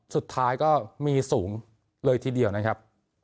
สุดท้ายก็มีสูงเลยทีเดียวนะครับ